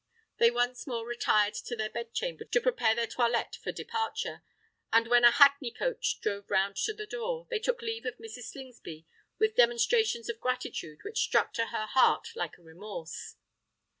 They once more retired to their bed chamber to prepare their toilette for departure; and, when a hackney coach drove round to the door, they took leave of Mrs. Slingsby with demonstrations of gratitude which struck to her heart like a remorse.